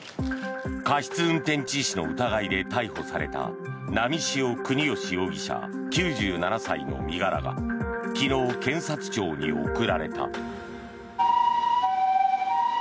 過失運転致死の疑いで逮捕された波汐國芳容疑者、９７歳の身柄が昨日、検察庁に送られた。